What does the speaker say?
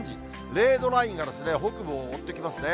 ０度ラインが北部を覆ってきますね。